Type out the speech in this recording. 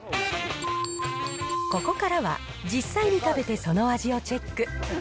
ここからは実際に食べてその味をチェック。